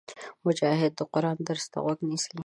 مجاهد د قرآن درس ته غوږ نیسي.